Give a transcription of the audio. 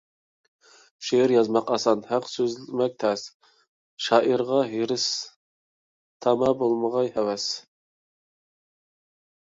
شېئىر يازماق ئاسان، ھەق سۆزلىمەك تەس، شائىرغا ھېرىس تاما بولمىغاي ھەۋەس.